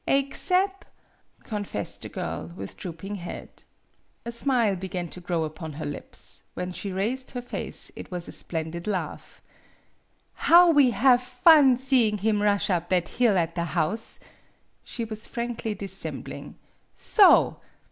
"4excep'," confessed the girl, with droop ing head. A smile began to grow upon her lips; when she raised her face it was a splendid laugh. " How we have fun seeing him rush up that hill at the house" she was frankly dissembling "so!"